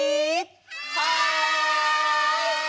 はい！